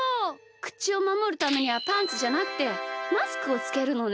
くちをまもるためにはパンツじゃなくてマスクをつけるのね。